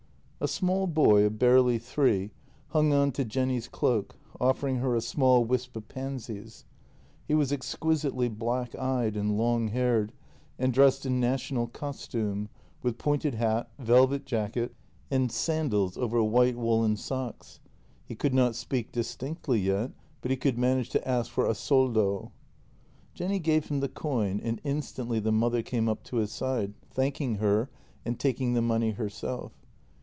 A small boy of barely three hung on to Jenny's cloak, offering her a small wisp of pansies. He was exquisitely black eyed and long haired, and dressed in national costume, with pointed hat, velvet jacket, and sandals over white woollen socks. He could not speak distinctly yet, but he could manage to ask for a soldo. Jenny gave him the coin, and instantly the mother came up to his side, thanking her and taking the money herself.